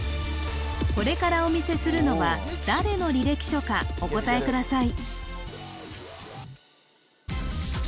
これからお見せするのは誰の履歴書かお答えください